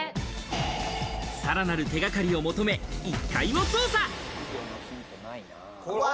さらなる手掛かりを求め、１階を捜査。